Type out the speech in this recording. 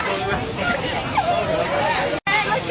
สุดท้ายสุดท้ายสุดท้าย